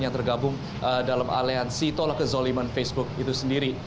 yang tergabung dalam aliansi tolak kezoliman facebook itu sendiri